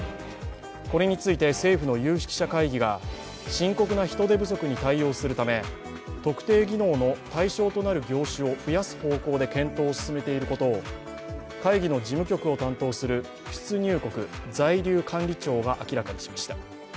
これについて、政府の有識者会議が深刻な人手不足に対応するため特定技能の対象となる業種を増やす方向で検討を進めていることを会議の事務局を担当する出入国在留管理庁が明らかにしました。